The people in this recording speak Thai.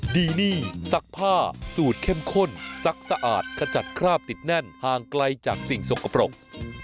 ดีนี่ซักผ้าสูตรเข้มข้นซักสะอาดขจัดคราบติดแน่นห่างไกลจากสิ่งสกปรก